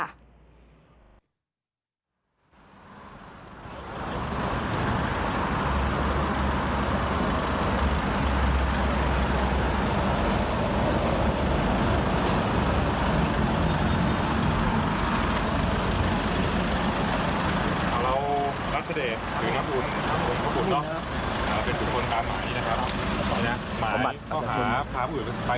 ไปเพื่อการอาจารย์โดยใช้วางศุษย์สลาย